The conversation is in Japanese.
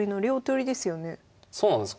そうなんです。